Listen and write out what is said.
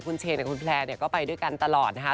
คุณเชนกับคุณแพลร์เนี่ยก็ไปด้วยกันตลอดนะคะ